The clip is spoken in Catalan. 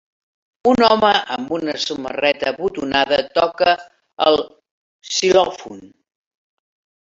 Un home amb una samarreta botonada toca el xilòfon